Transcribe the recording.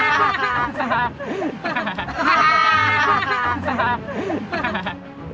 duduknya yang betul semuanya